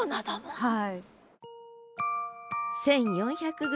はい。